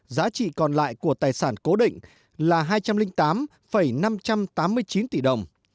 giá trị còn lại của tài sản cố định là hai trăm linh tám năm trăm tám mươi chín tỷ đồng